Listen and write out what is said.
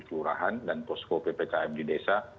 kelurahan dan posko ppkm di desa